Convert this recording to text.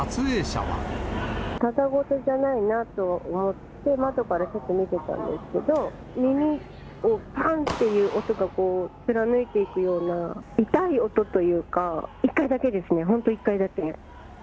ただごとじゃないなと思って、窓からちょっと見てたんですけど、耳をぱんっていう音が、貫いていくような、痛い音というか、１回だけですね、本当１回だけ。